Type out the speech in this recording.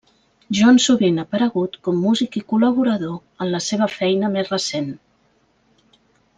John sovint ha aparegut com músic i col·laborador en la seva feina més recent.